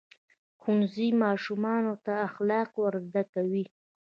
ښوونځی ماشومانو ته اخلاق ورزده کوي.